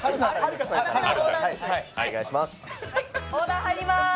オーダー入ります！